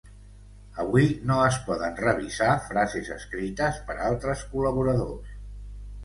Avui no es poden revisar frases escrites per altres col·laboradors.